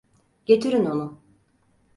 Getirin onu!